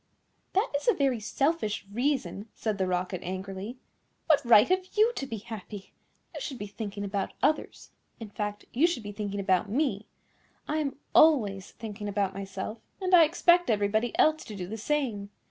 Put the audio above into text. "That is a very selfish reason," said the Rocket angrily. "What right have you to be happy? You should be thinking about others. In fact, you should be thinking about me. I am always thinking about myself, and I expect everybody else to do the same.